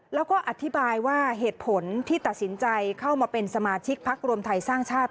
แล้วก็อธิบายว่าเหตุผลที่ตัดสินใจเข้ามาเป็นสมาชิกพักรวมไทยสร้างชาติ